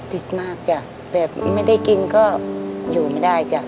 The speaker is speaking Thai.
ติดมากจ้ะแบบไม่ได้กินก็อยู่ไม่ได้จ้ะ